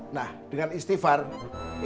nah dengan istifanah